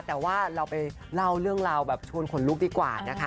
แต่ว่าเราไปเล่าเรื่องราวแบบชวนขนลุกดีกว่านะคะ